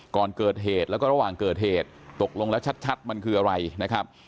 ก่อนเกิดเหตุแล้วก็ระหว่างเกิดเหตุตกลงแล้วชัดมันคืออะไรนะครับ